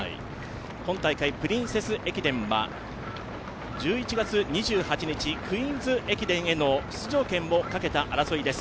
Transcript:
今大会「プリンセス駅伝」は１１月２８日、クイーンズ駅伝への出場権をかけた争いです。